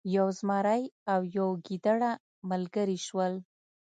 یو زمری او یو ګیدړه ملګري شول.